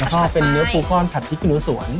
แล้วก็เป็นเนื้อปูก้อนผัดพริกเสิร์ฟสวน